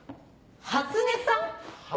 「初音さん」